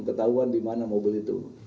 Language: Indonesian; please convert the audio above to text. ketahuan di mana mobil itu